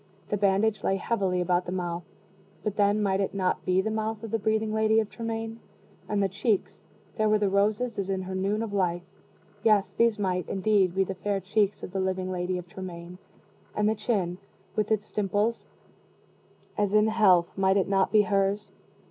The bandage lay heavily about the mouth but then might it not be the mouth of the breathing Lady of Tremaine? And the cheeks there were the roses as in her noon of life yes, these might indeed be the fair cheeks of the living Lady of Tremaine. And the chin, with its dimples, as in health, might it not be hers?